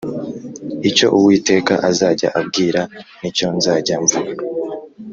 icyo Uwiteka azajya ambwira ni cyo nzajya mvuga